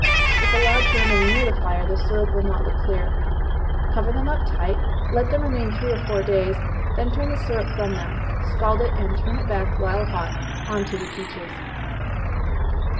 If allowed to remain near the fire, the syrup will not look clear. Cover them up tight let them remain three or four days, then turn the syrup from them, scald it, and turn it back, while hot, on to the peaches.